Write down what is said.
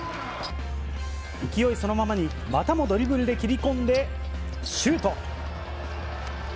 勢いそのままに、またもドリブルで切り込んでシュート。